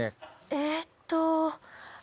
えっと。